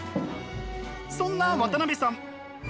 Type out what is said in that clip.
そんな渡辺さん